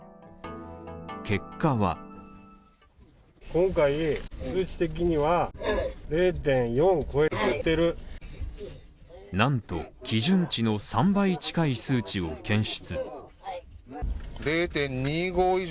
結果はなんと基準値の３倍近い数値を検出。